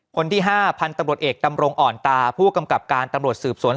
คนที่ห้าทานตำรวจเอกตำรงอ่อนตาผู้กำกรรมการตำรวจสีปนรสวน